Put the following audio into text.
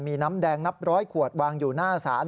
มีน้ำแดงนับร้อยขวดวางอยู่หน้าศาล